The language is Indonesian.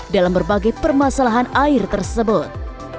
dalam berbagai permasalahan air tersebut